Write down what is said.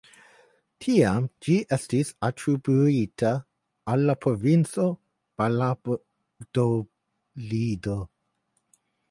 Tiam ĝi estis atribuita al la provinco Valadolido.